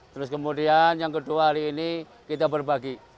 terus kemudian yang kedua hari ini kita berbagi